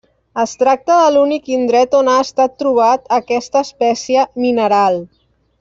Es tracta de l'únic indret on ha estat trobat aquesta espècie mineral.